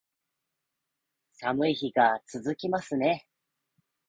寒い日が続きますね